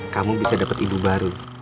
kamu bisa dapat ibu baru